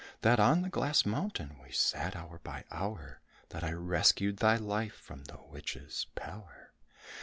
That on the glass mountain we sat hour by hour? That I rescued thy life from the witch's power?